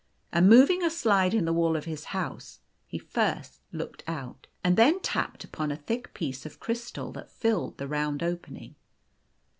And moving a slide in the wall of his house, he first looked out, and then tapped upon a thick piece of crystal that filled the round opening.